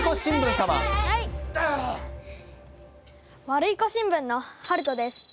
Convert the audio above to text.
ワルイコ新聞のはるとです。